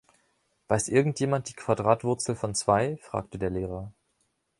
Weiß irgendjemand die Quadratwurzel von zwei? fragte der Lehrer